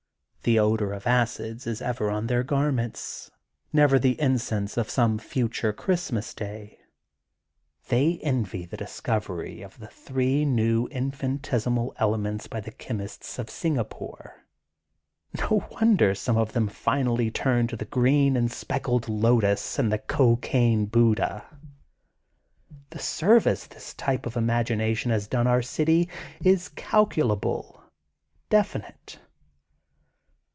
The odor of acids is ever on their garments, never the incense of some future Christmas day. They envy the discovery of the three new infinitesimal elements by the chemists of Singapore. No wonder some of them finally turn to the green and speckled lotus and the cocaine Buddha. ^*The service this type of imagination has done our city is calculable, definite.